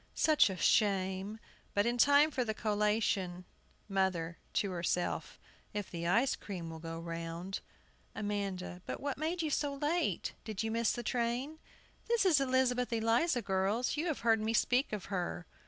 Such a shame! But in time for the collation. MOTHER [to herself ]. If the ice cream will go round. AMANDA. But what made you so late? Did you miss the train? This is Elizabeth Eliza, girls you have heard me speak of her.